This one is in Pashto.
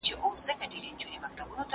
هغه څوک چي انځور ګوري زده کوي!.